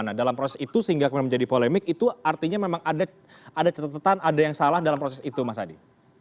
nah dalam proses itu sehingga kemudian menjadi polemik itu artinya memang ada catatan ada yang salah dalam proses itu mas adi